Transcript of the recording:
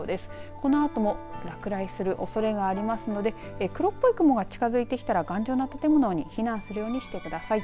このあとも落雷するおそれがありますので黒っぽい雲が近づいてきたら頑丈な建物に避難するようにしてください。